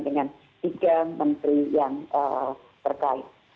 dengan tiga menteri yang terkait